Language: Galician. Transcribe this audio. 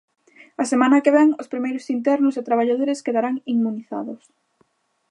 A semana que vén os primeiros internos e traballadores quedarán inmunizados.